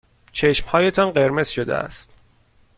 چشمهایتان قرمز شده است.